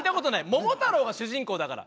桃太郎が主人公だから。